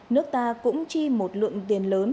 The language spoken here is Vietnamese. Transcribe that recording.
nước ta cũng chi một lượng tiền lớn